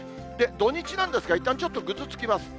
土日なんですが、いったんちょっとぐずつきます。